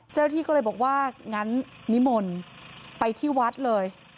เจ้าหน้าที่ก็เลยบอกว่างั้นนิมนต์ไปที่วัดเลย